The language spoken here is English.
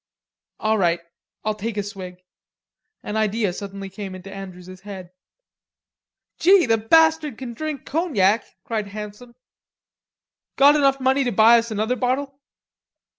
"All right, I'll take a swig." An idea had suddenly come into Andrews's head. "Gee, the bastard kin drink cognac," cried Handsome. "Got enough money to buy us another bottle?"